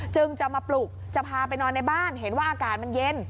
จึงจะมาปลุกจะพาไปนอนในบ้านเห็นว่าอากาศมันเย็น